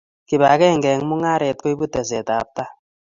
Kipakenge eng mungaret koibu tesetabtai